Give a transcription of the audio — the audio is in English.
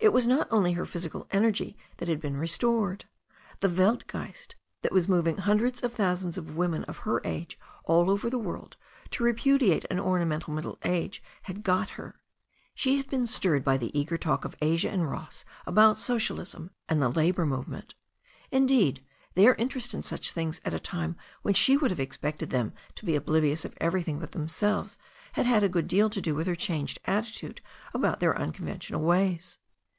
It was not only her physical energy that had been restored. The Weltgeist that was moving hundreds of thousands of women of her age all over the world to repudiate an orna mental middle age had got her. She had been stirred by the eager talk of Asia and Ross about socialism and the labour movement. Indeed, their interest in such things at a time when she would have expected them to be oblivious of everything but themselves had had a good deal to do with her changed attitude about their unconventional way«.